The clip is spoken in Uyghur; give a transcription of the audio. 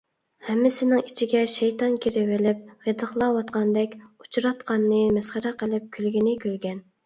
ھەممىسىنىڭ ئىچىگە شەيتان كىرىۋېلىپ غىدىقلاۋاتقاندەك ئۇچىراتقاننى مەسخىرە قىلىپ كۈلگىنى كۈلگەن.